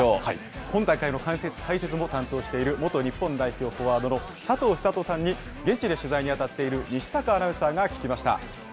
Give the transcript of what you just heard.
今大会の解説も担当している元日本代表フォワードの佐藤寿人さんに、現地で取材に当たっている西阪アナウンサーが聞きました。